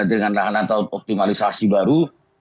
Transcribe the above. dengan lahan atau optimalisasi baru